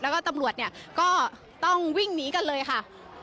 แล้วก็ตำรวจเนี่ยก็ต้องวิ่งหนีกันเลยค่ะ